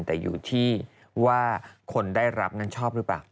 แต่อยู่ที่ว่าคนได้รับนั้นชอบหรือเปล่า